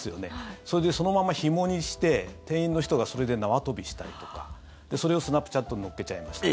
それで、そのままひもにして店員の人がそれで縄跳びしたりとかそれをスナップチャットに載っけちゃいましたとか。